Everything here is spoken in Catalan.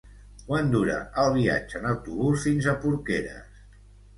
Quant dura el viatge en autobús fins a Porqueres?